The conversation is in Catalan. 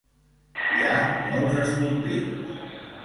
Hi ha molts escorpins.